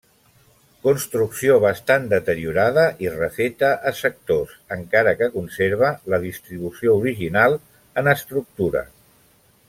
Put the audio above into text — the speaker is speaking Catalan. Construcció bastant deteriorada i refeta a sectors, encara que conserva la distribució original en estructura.